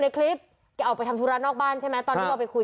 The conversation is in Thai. ในคลิปแกออกไปทำธุระนอกบ้านใช่ไหมตอนที่เราไปคุย